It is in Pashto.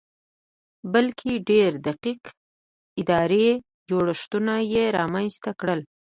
بلکې ډېر دقیق اداري جوړښتونه یې رامنځته کړل